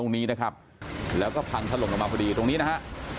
ตรงนี้นะครับแล้วก็พังถล่มลงมาพอดีตรงนี้นะฮะ